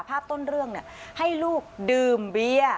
ภาพต้นเรื่องให้ลูกดื่มเบียร์